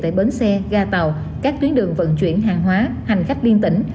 tại bến xe ga tàu các tuyến đường vận chuyển hàng hóa hành khách liên tỉnh